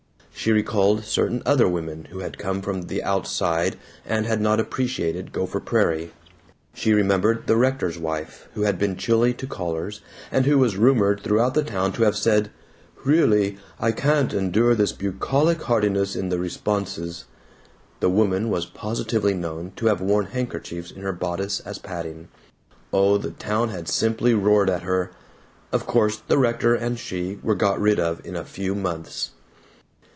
She recalled certain other women who had come from the Outside and had not appreciated Gopher Prairie. She remembered the rector's wife who had been chilly to callers and who was rumored throughout the town to have said, "Re ah ly I cawn't endure this bucolic heartiness in the responses." The woman was positively known to have worn handkerchiefs in her bodice as padding oh, the town had simply roared at her. Of course the rector and she were got rid of in a few months.